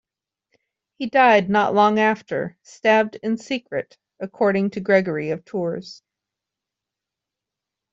He died not long after, stabbed in secret according to Gregory of Tours.